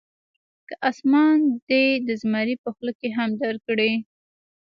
که اسمان دې د زمري په خوله کې هم درکړي.